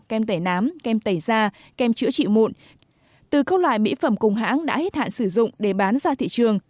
kem tẩy nám kem tẩy da kem chữa trị mụn từ các loại mỹ phẩm cùng hãng đã hết hạn sử dụng để bán ra thị trường